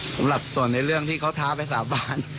สำหรับส่วนในเรื่องที่เขาท้าไปสาบาน